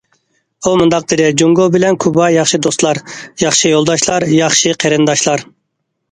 ئۇ مۇنداق دېدى: جۇڭگو بىلەن كۇبا ياخشى دوستلار، ياخشى يولداشلار، ياخشى قېرىنداشلار.